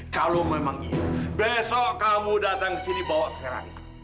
kalau memang iya besok kamu datang ke sini bawa serang